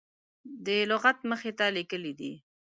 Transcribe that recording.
د لغت مخې ته لیکلي دي.